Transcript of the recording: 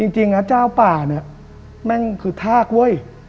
จริงนะเจ้าป่าเนี่ยแม่งคือทากเว้ย